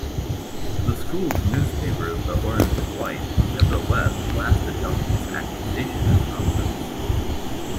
The school's newspaper, the "Orange and White", nevertheless blasted Duncan's accusations as "nonsense.